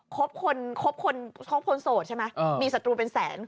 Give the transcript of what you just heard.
ครบคนโสดใช่ไหมมีศัตรูเป็นแสน